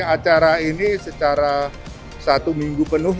acara ini secara satu minggu penuh